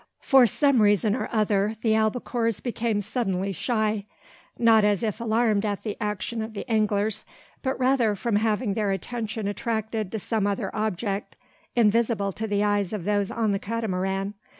For some reason or other, the albacores became suddenly shy, not as if alarmed at the action of the anglers, but rather from having their attention attracted to some other object invisible to the eyes of those on the Catamaran.